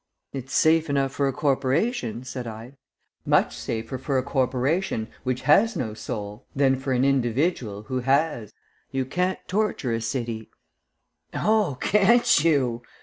"It's safe enough for a corporation," said I. "Much safer for a corporation which has no soul, than for an individual who has. You can't torture a city " "Oh, can't you!"